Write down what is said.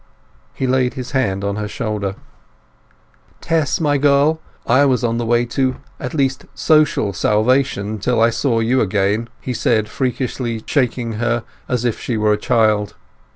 He laid his hand on her shoulder. "Tess, my girl, I was on the way to, at least, social salvation till I saw you again!" he said freakishly shaking her, as if she were a child.